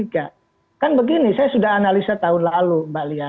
kan begini saya sudah analisa tahun lalu mbak lia